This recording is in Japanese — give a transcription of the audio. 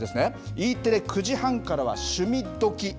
Ｅテレ、９時半からは趣味どきっ！